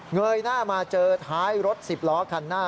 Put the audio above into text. เยยหน้ามาเจอท้ายรถสิบล้อคันหน้า